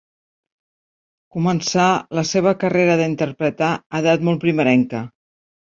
Començà la seva carrera d'interpretar a edat molt primerenca.